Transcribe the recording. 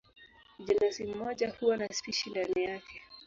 Jenasi moja huwa na spishi ndani yake.